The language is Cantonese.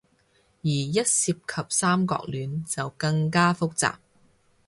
而一涉及三角戀，就更加複雜